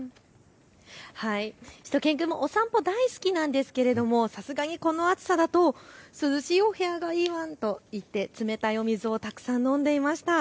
しゅと犬くんもお散歩大好きなんですがさすがにこの暑さだと涼しいお部屋がいいワンと言って冷たいお水をたくさん飲んでいました。